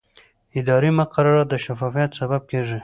اداري مقررات د شفافیت سبب کېږي.